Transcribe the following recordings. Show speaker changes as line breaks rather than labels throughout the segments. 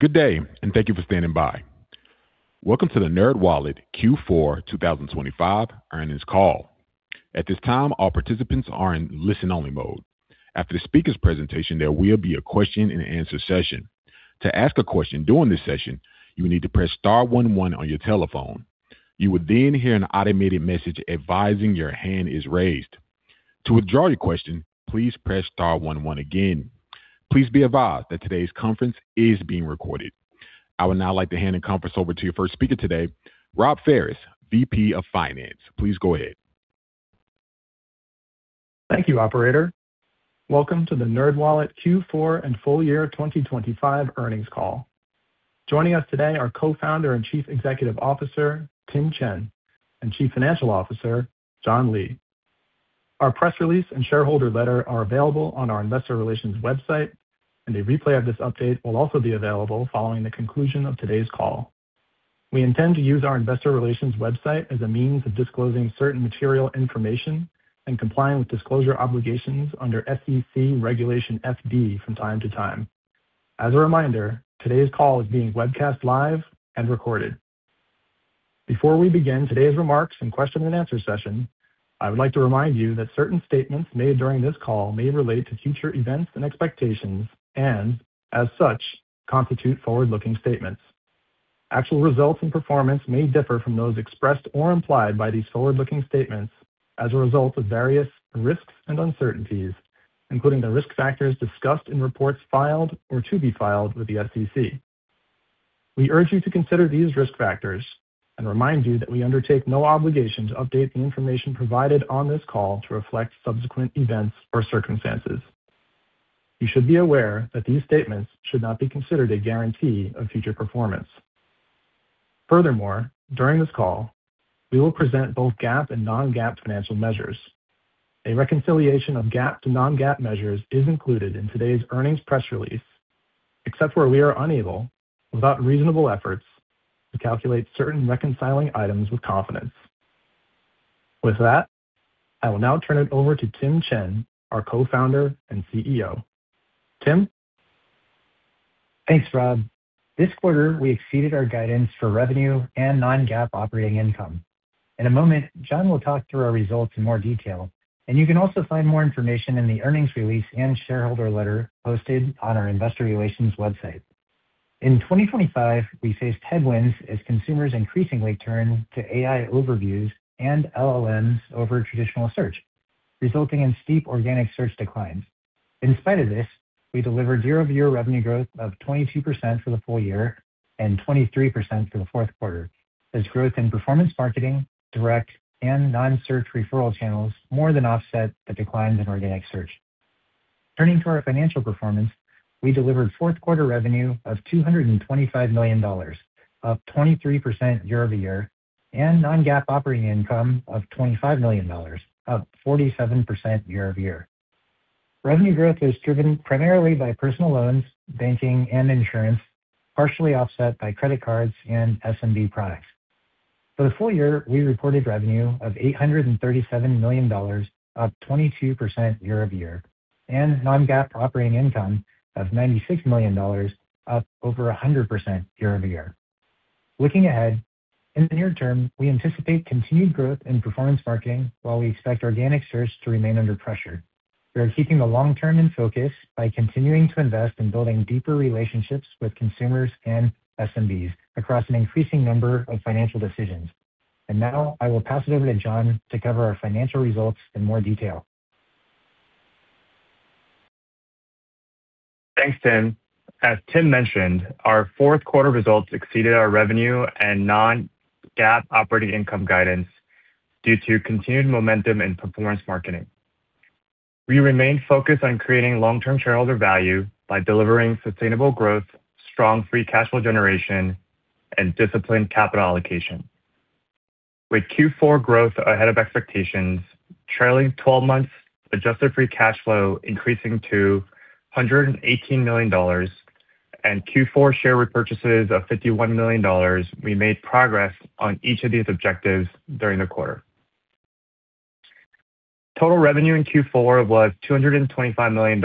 Good day. Thank you for standing by. Welcome to the NerdWallet Q4 2025 earnings call. At this time, all participants are in listen-only mode. After the speaker's presentation, there will be a question-and-answer session. To ask a question during this session, you will need to press star one one on your telephone. You will hear an automated message advising your hand is raised. To withdraw your question, please press star one one again. Please be advised that today's conference is being recorded. I would now like to hand the conference over to your first speaker today, Robb Ferris, VP of Finance. Please go ahead.
Thank you, operator. Welcome to the NerdWallet Q4 and full year 2025 earnings call. Joining us today are Co-founder and Chief Executive Officer, Tim Chen, and Chief Financial Officer, John Lee. Our press release and shareholder letter are available on our investor relations website, and a replay of this update will also be available following the conclusion of today's call. We intend to use our investor relations website as a means of disclosing certain material information and complying with disclosure obligations under SEC Regulation FD from time to time. As a reminder, today's call is being webcast live and recorded. Before we begin today's remarks and question-and-answer session, I would like to remind you that certain statements made during this call may relate to future events and expectations and, as such, constitute forward-looking statements. Actual results and performance may differ from those expressed or implied by these forward-looking statements as a result of various risks and uncertainties, including the risk factors discussed in reports filed or to be filed with the SEC. We urge you to consider these risk factors and remind you that we undertake no obligation to update the information provided on this call to reflect subsequent events or circumstances. You should be aware that these statements should not be considered a guarantee of future performance. Furthermore, during this call, we will present both GAAP and non-GAAP financial measures. A reconciliation of GAAP to non-GAAP measures is included in today's earnings press release, except where we are unable, without reasonable efforts, to calculate certain reconciling items with confidence. With that, I will now turn it over to Tim Chen, our co-founder and CEO. Tim?
Thanks, Robb. This quarter, we exceeded our guidance for revenue and non-GAAP operating income. In a moment, John will talk through our results in more detail, and you can also find more information in the earnings release and shareholder letter posted on our investor relations website. In 2025, we faced headwinds as consumers increasingly turned to AI Overviews and LLMs over traditional search, resulting in steep organic search declines. In spite of this, we delivered year-over-year revenue growth of 22% for the full year and 23% for the fourth quarter, as growth in performance marketing, direct and non-search referral channels more than offset the declines in organic search. Turning to our financial performance, we delivered fourth-quarter revenue of $225 million, up 23% year-over-year, and non-GAAP operating income of $25 million, up 47% year-over-year. Revenue growth is driven primarily by personal loans, banking, and insurance, partially offset by credit cards and SMB products. For the full year, we reported revenue of $837 million, up 22% year-over-year, and non-GAAP operating income of $96 million, up over 100% year-over-year. Looking ahead, in the near term, we anticipate continued growth in performance marketing while we expect organic search to remain under pressure. We are keeping the long term in focus by continuing to invest in building deeper relationships with consumers and SMBs across an increasing number of financial decisions. Now I will pass it over to John to cover our financial results in more detail.
Thanks, Tim. As Tim mentioned, our fourth quarter results exceeded our revenue and non-GAAP operating income guidance due to continued momentum in performance marketing. We remain focused on creating long-term shareholder value by delivering sustainable growth, strong free cash flow generation, and disciplined capital allocation. With Q4 growth ahead of expectations, trailing twelve months adjusted free cash flow increasing to $118 million and Q4 share repurchases of $51 million, we made progress on each of these objectives during the quarter. Total revenue in Q4 was $225 million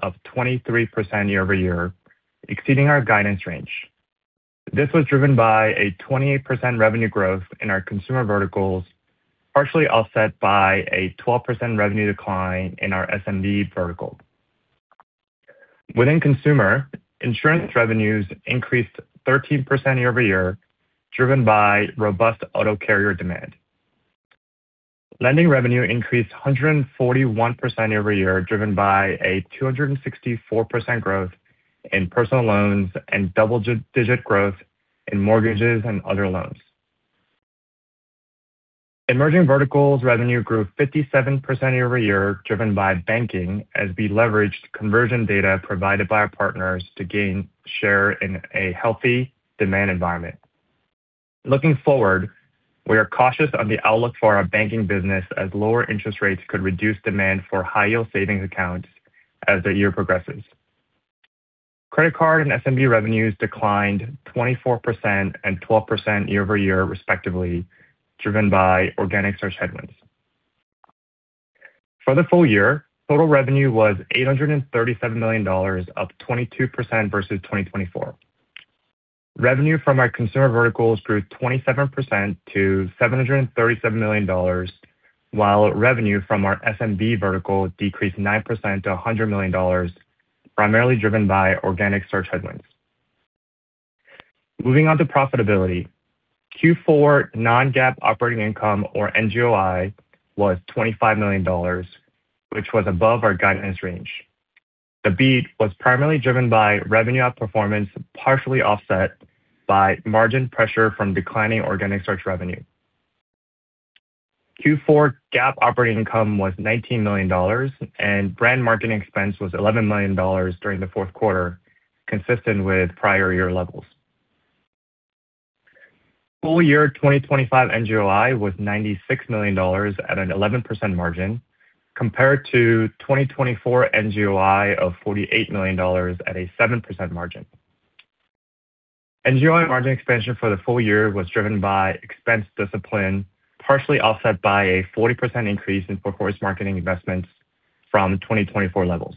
of 23% year-over-year, exceeding our guidance range. This was driven by a 28% revenue growth in our consumer verticals, partially offset by a 12% revenue decline in our SMB vertical. Within consumer, insurance revenues increased 13% year-over-year, driven by robust auto carrier demand. Lending revenue increased 141% year-over-year, driven by a 264% growth in personal loans and double-digit growth in mortgages and other loans. Emerging verticals revenue grew 57% year-over-year, driven by banking, as we leveraged conversion data provided by our partners to gain share in a healthy demand environment. Looking forward, we are cautious on the outlook for our banking business, as lower interest rates could reduce demand for high-yield savings accounts as the year progresses. Credit card and SMB revenues declined 24% and 12% year-over-year, respectively, driven by organic search headwinds. For the full year, total revenue was $837 million, up 22% versus 2024. Revenue from our consumer verticals grew 27% to $737 million, while revenue from our SMB vertical decreased 9% to $100 million, primarily driven by organic search headwinds. Moving on to profitability. Q4 non-GAAP operating income, or NGOI, was $25 million, which was above our guidance range. The beat was primarily driven by revenue outperformance, partially offset by margin pressure from declining organic search revenue. Q4 GAAP operating income was $19 million, and brand marketing expense was $11 million during the fourth quarter, consistent with prior year levels. Full year 2025 NGOI was $96 million at an 11% margin, compared to 2024 NGOI of $48 million at a 7% margin. NGOI margin expansion for the full year was driven by expense discipline, partially offset by a 40% increase in performance marketing investments from 2024 levels.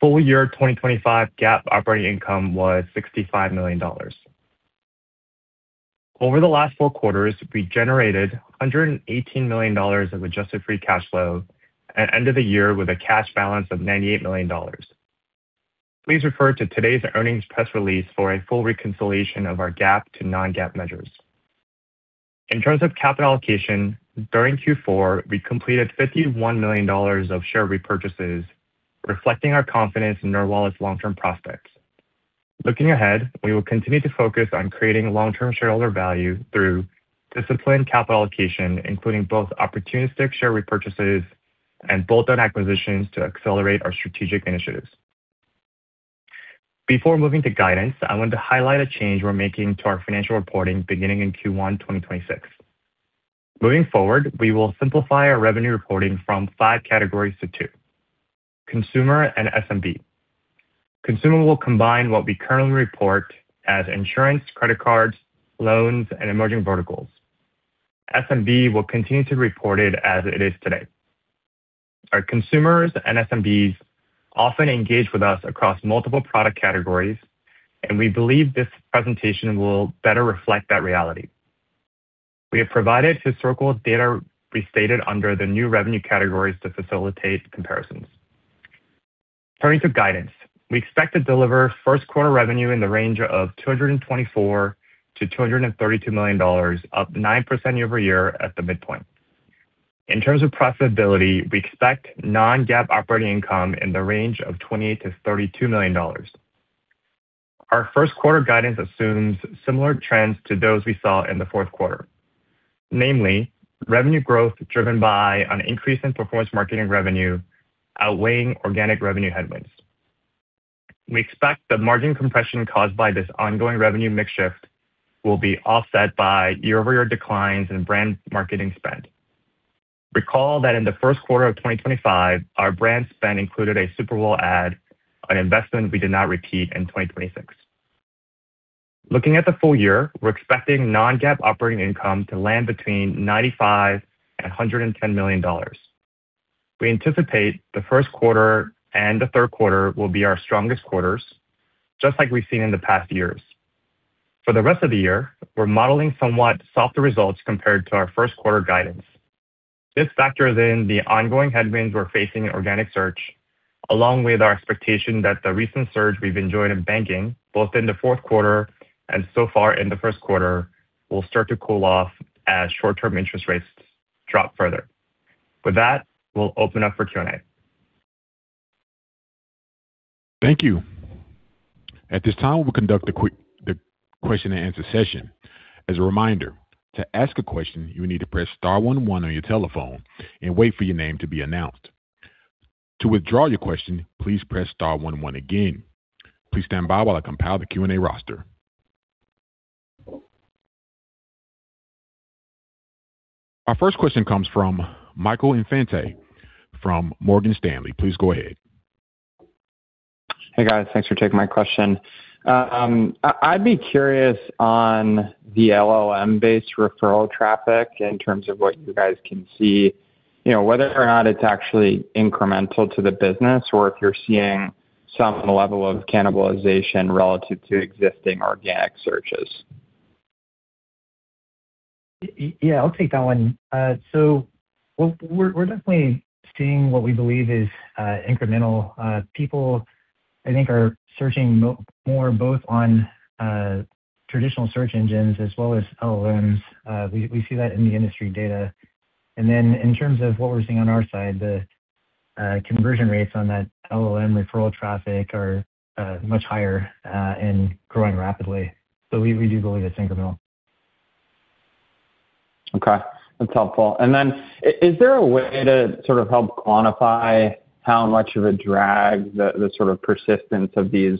Full year 2025 GAAP operating income was $65 million. Over the last four quarters, we generated $118 million of adjusted free cash flow and end of the year with a cash balance of $98 million. Please refer to today's earnings press release for a full reconciliation of our GAAP to non-GAAP measures. In terms of capital allocation, during Q4, we completed $51 million of share repurchases, reflecting our confidence in NerdWallet's long-term prospects. Looking ahead, we will continue to focus on creating long-term shareholder value through disciplined capital allocation, including both opportunistic share repurchases and bolt-on acquisitions to accelerate our strategic initiatives. Before moving to guidance, I want to highlight a change we're making to our financial reporting beginning in Q1 2026. Moving forward, we will simplify our revenue reporting from 5 categories to 2: consumer and SMB. Consumer will combine what we currently report as insurance, credit cards, loans, and emerging verticals. SMB will continue to be reported as it is today. Our consumers and SMBs often engage with us across multiple product categories, and we believe this presentation will better reflect that reality. We have provided historical data restated under the new revenue categories to facilitate comparisons. Turning to guidance. We expect to deliver first quarter revenue in the range of $224 million-$232 million, up 9% year-over-year at the midpoint. In terms of profitability, we expect non-GAAP operating income in the range of $28 million-$32 million. Our first quarter guidance assumes similar trends to those we saw in the fourth quarter. Namely, revenue growth driven by an increase in performance marketing revenue outweighing organic revenue headwinds. We expect the margin compression caused by this ongoing revenue mix shift will be offset by year-over-year declines in brand marketing spend. Recall that in the first quarter of 2025, our brand spend included a Super Bowl ad, an investment we did not repeat in 2026. Looking at the full year, we're expecting non-GAAP operating income to land between $95 million-$110 million. We anticipate the first quarter and the third quarter will be our strongest quarters, just like we've seen in the past years. For the rest of the year, we're modeling somewhat softer results compared to our first quarter guidance. This factors in the ongoing headwinds we're facing in organic search, along with our expectation that the recent surge we've enjoyed in banking, both in the fourth quarter and so far in the first quarter, will start to cool off as short-term interest rates drop further. With that, we'll open up for Q&A.
Thank you. At this time, we'll conduct the question-and-answer session. As a reminder, to ask a question, you will need to press star one one on your telephone and wait for your name to be announced. To withdraw your question, please press star one one again. Please stand by while I compile the Q&A roster. Our first question comes from Michael Infante from Morgan Stanley. Please go ahead.
Hey, guys. Thanks for taking my question. I'd be curious on the LLM-based referral traffic in terms of what you guys can see, you know, whether or not it's actually incremental to the business or if you're seeing some level of cannibalization relative to existing organic searches?
Yeah, I'll take that one. We're definitely seeing what we believe is incremental. People, I think, are searching more both on traditional search engines as well as LLMs. We see that in the industry data. In terms of what we're seeing on our side, the conversion rates on that LLM referral traffic are much higher and growing rapidly. We do believe it's incremental.
Okay, that's helpful. Is there a way to sort of help quantify how much of a drag the persistence of these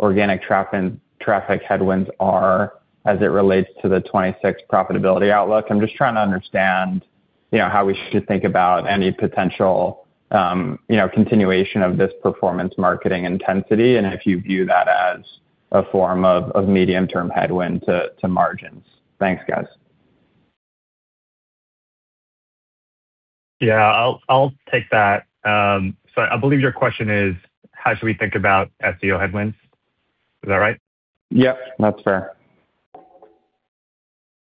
organic traffic headwinds are as it relates to the 2026 profitability outlook? I'm just trying to understand, you know, how we should think about any potential, you know, continuation of this performance marketing intensity, and if you view that.... a form of medium-term headwind to margins? Thanks, guys.
Yeah, I'll take that. I believe your question is, how should we think about SEO headwinds? Is that right?
Yep, that's fair.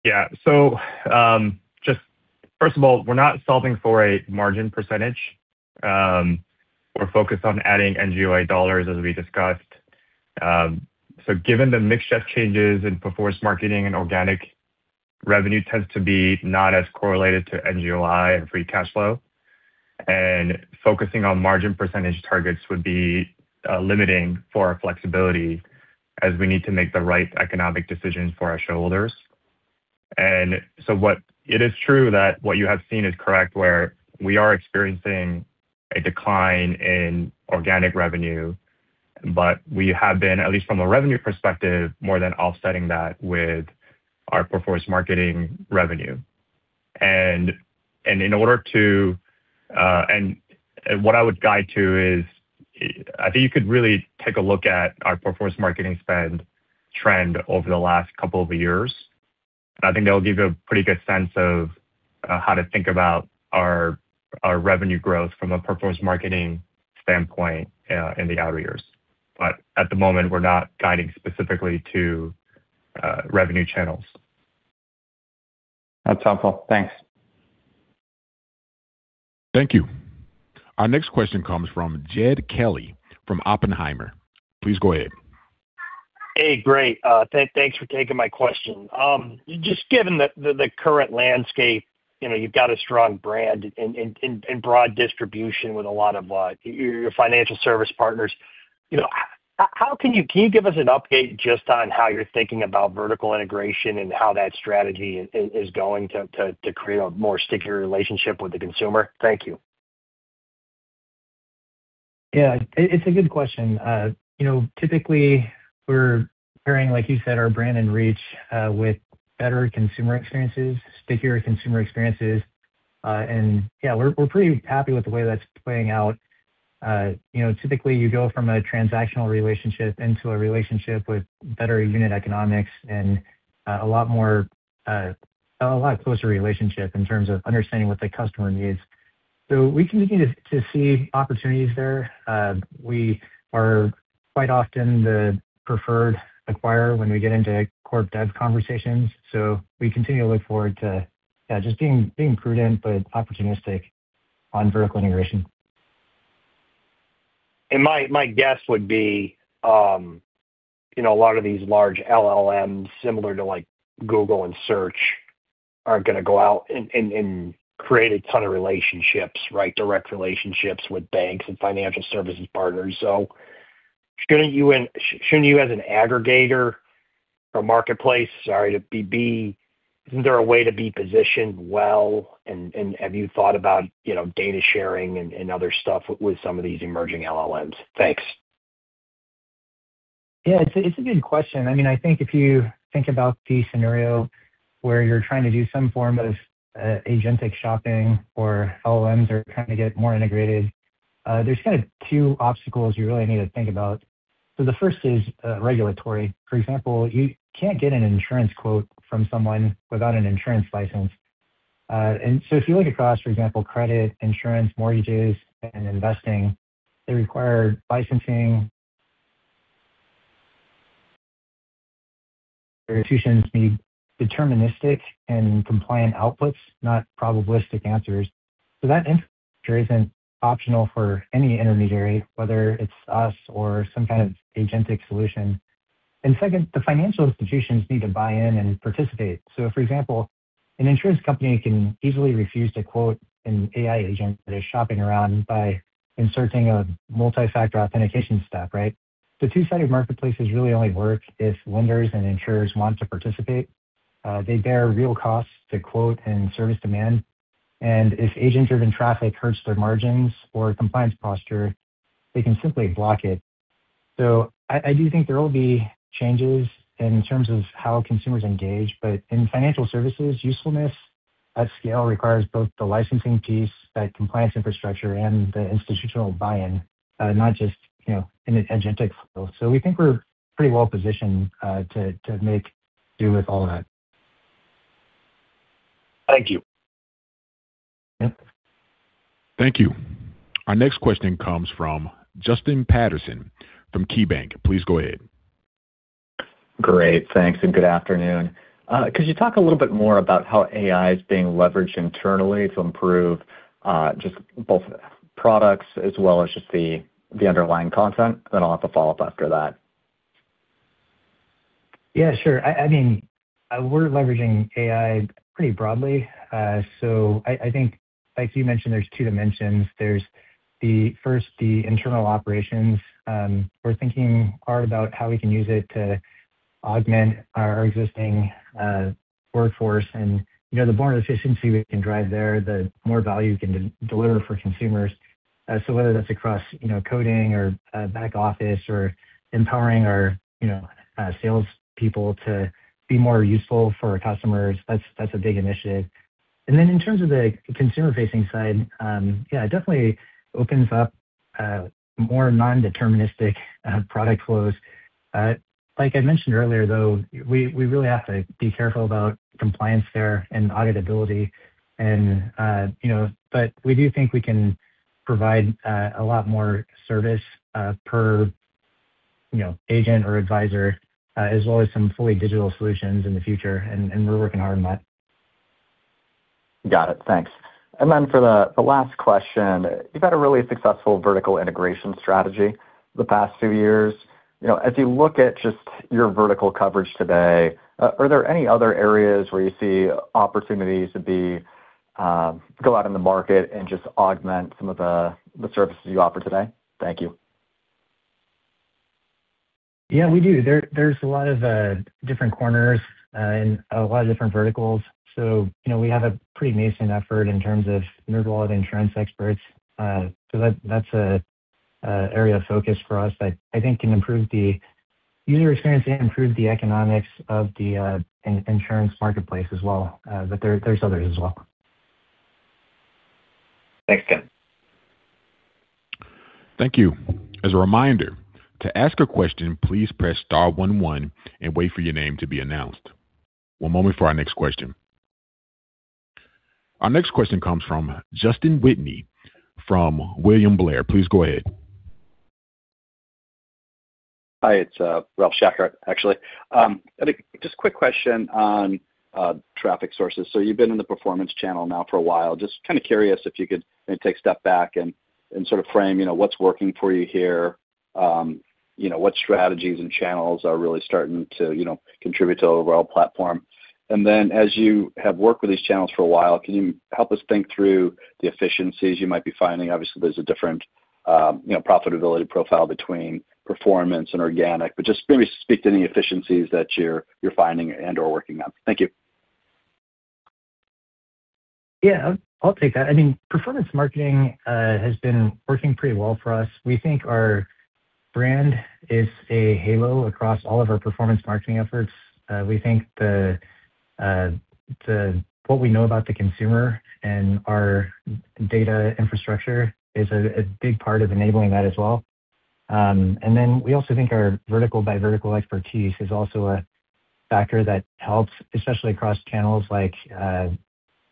Yeah. Just first of all, we're not solving for a margin percentage. We're focused on adding NGOI dollars, as we discussed. Given the mix shift changes in performance marketing and organic revenue tends to be not as correlated to NGOI and free cash flow, focusing on margin percentage targets would be limiting for our flexibility as we need to make the right economic decisions for our shareholders. It is true that what you have seen is correct, where we are experiencing a decline in organic revenue, we have been, at least from a revenue perspective, more than offsetting that with our performance marketing revenue. In order to, what I would guide to is, I think you could really take a look at our performance marketing spend trend over the last couple of years. I think that'll give you a pretty good sense of how to think about our revenue growth from a performance marketing standpoint in the outer years. At the moment, we're not guiding specifically to revenue channels.
That's helpful. Thanks.
Thank you. Our next question comes from Jed Kelly from Oppenheimer. Please go ahead.
Hey, great. Thanks for taking my question. Just given the current landscape, you know, you've got a strong brand and broad distribution with a lot of your financial service partners. You know, how can you give us an update just on how you're thinking about vertical integration and how that strategy is going to create a more stickier relationship with the consumer? Thank you.
Yeah, it's a good question. You know, typically, we're pairing, like you said, our brand and reach, with better consumer experiences, stickier consumer experiences. Yeah, we're pretty happy with the way that's playing out. You know, typically you go from a transactional relationship into a relationship with better unit economics and a lot more, a lot closer relationship in terms of understanding what the customer needs. We continue to see opportunities there. We are quite often the preferred acquirer when we get into corp dev conversations. We continue to look forward to, yeah, just being prudent but opportunistic on vertical integration.
My, my guess would be, you know, a lot of these large LLMs, similar to like Google and Search, are gonna go out and create a ton of relationships, right? Direct relationships with banks and financial services partners. Shouldn't you, as an aggregator or marketplace, sorry, to be... Isn't there a way to be positioned well, and have you thought about, you know, data sharing and other stuff with some of these emerging LLMs? Thanks.
It's a good question. I mean, I think if you think about the scenario where you're trying to do some form of agentic shopping or LLMs are trying to get more integrated, there's kinda two obstacles you really need to think about. The first is regulatory. For example, you can't get an insurance quote from someone without an insurance license. If you look across, for example, credit, insurance, mortgages, and investing, they require licensing. Institutions need deterministic and compliant outputs, not probabilistic answers. That infrastructure isn't optional for any intermediary, whether it's us or some kind of agentic solution. Second, the financial institutions need to buy in and participate. For example, an insurance company can easily refuse to quote an AI agent that is shopping around by inserting a multifactor authentication step, right? Two-sided marketplaces really only work if lenders and insurers want to participate. They bear real costs to quote and service demand, and if agent-driven traffic hurts their margins or compliance posture, they can simply block it. I do think there will be changes in terms of how consumers engage, but in financial services, usefulness at scale requires both the licensing piece, that compliance infrastructure, and the institutional buy-in, not just, you know, in an agentic flow. We think we're pretty well positioned, to make do with all of that.
Thank you.
Yeah.
Thank you. Our next question comes from Justin Patterson from KeyBanc. Please go ahead.
Great, thanks, good afternoon. Could you talk a little bit more about how AI is being leveraged internally to improve, just both products as well as just the underlying content? I'll have to follow up after that.
Yeah, sure. I mean, we're leveraging AI pretty broadly. I think, like you mentioned, there's two dimensions. There's the first, the internal operations. We're thinking hard about how we can use it to augment our existing workforce. You know, the more efficiency we can drive there, the more value we can deliver for consumers. Whether that's across, you know, coding or back office or empowering our, you know, salespeople to be more useful for our customers, that's a big initiative. In terms of the consumer-facing side, yeah, it definitely opens up more non-deterministic product flows. Like I mentioned earlier, though, we really have to be careful about compliance there and auditability and, you know, but we do think we can provide a lot more service per, you know, agent or advisor, as well as some fully digital solutions in the future. We're working hard on that.
Got it. Thanks. For the last question, you've had a really successful vertical integration strategy the past few years. You know, as you look at just your vertical coverage today, are there any other areas where you see opportunities to be go out in the market and just augment some of the services you offer today? Thank you.
Yeah, we do. There's a lot of different corners, and a lot of different verticals. You know, we have a pretty nascent effort in terms of NerdWallet Insurance Experts. That's a area of focus for us that I think can improve the user experience and improve the economics of the insurance marketplace as well. There's others as well.
Thanks, Tim.
Thank you. As a reminder, to ask a question, please press star one one and wait for your name to be announced. One moment for our next question. Our next question comes from Justin Whitney from William Blair. Please go ahead.
Hi, it's Ralph Schackart, actually. Just a quick question on traffic sources. You've been in the performance channel now for a while. Just kind of curious if you could take a step back and sort of frame, you know, what's working for you here. You know, what strategies and channels are really starting to, you know, contribute to the overall platform? As you have worked with these channels for a while, can you help us think through the efficiencies you might be finding? Obviously, there's a different, you know, profitability profile between performance and organic, but just maybe speak to any efficiencies that you're finding and/or working on. Thank you.
Yeah, I'll take that. I mean, performance marketing has been working pretty well for us. We think our brand is a halo across all of our performance marketing efforts. We think what we know about the consumer and our data infrastructure is a big part of enabling that as well. We also think our vertical by vertical expertise is also a factor that helps, especially across channels like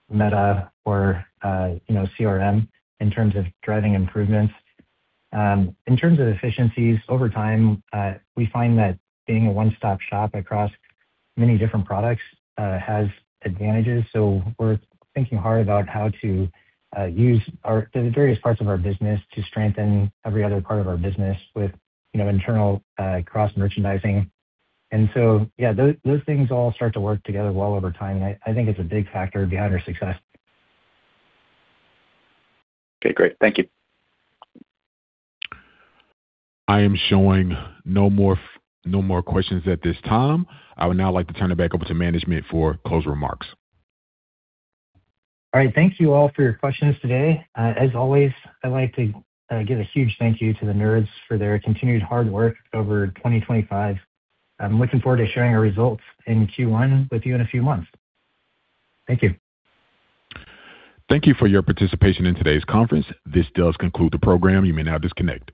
Meta or, you know, CRM, in terms of driving improvements. In terms of efficiencies, over time, we find that being a one-stop shop across many different products has advantages. We're thinking hard about how to use the various parts of our business to strengthen every other part of our business with, you know, internal, cross-merchandising. Yeah, those things all start to work together well over time, and I think it's a big factor behind our success.
Okay, great. Thank you.
I am showing no more questions at this time. I would now like to turn it back over to management for closing remarks.
All right. Thank you all for your questions today. As always, I'd like to give a huge thank you to the Nerds for their continued hard work over 2025. I'm looking forward to sharing our results in Q1 with you in a few months. Thank you.
Thank you for your participation in today's conference. This does conclude the program. You may now disconnect.